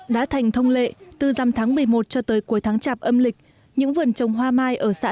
đã thành thông lệ từ dằm tháng một mươi một cho tới cuối tháng chạp âm lịch những vườn trồng hoa mai ở xã